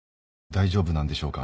大丈夫なんでしょうか。